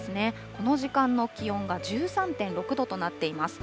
この時間の気温が１３．６度となっています。